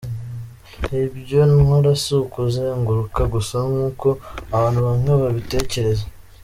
Ibyo nkora si ukuzenguruka gusa nk’uko abantu bamwe babitekereza.